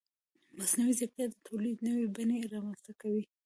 مصنوعي ځیرکتیا د تولید نوې بڼې رامنځته کوي.